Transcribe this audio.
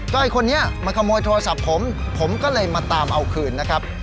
ก็ไอ้คนนี้มาขโมยโทรศัพท์ผมผมก็เลยมาตามเอาคืนนะครับ